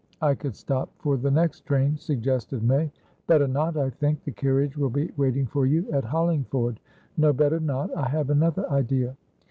"I could stop for the next train," suggested May. "Better not, I think. The carriage will be waiting for you at Hollingford. No, better not. I have another idea."